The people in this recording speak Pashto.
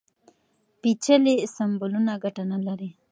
پېچلي سمبولونه ګټه نه لري.